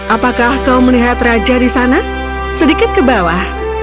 apakah kau melihat raja di sana sedikit ke bawah